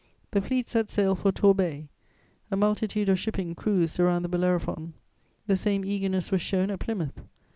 The fleet set sail for Torbay: a multitude of shipping cruised around the Bellerophon; the same eagerness was shown at Plymouth.